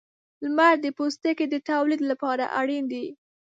• لمر د پوستکي د تولید لپاره اړین دی.